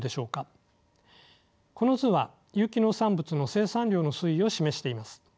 この図は有機農産物の生産量の推移を示しています。